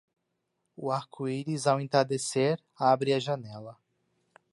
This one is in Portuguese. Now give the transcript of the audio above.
O arco-íris ao entardecer abre a janela.